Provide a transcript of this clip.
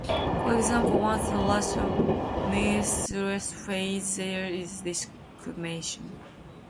For example, once the rash of measles fades, there is desquamation.